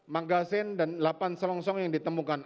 dua belas magasin dan delapan selongsong yang ditemukan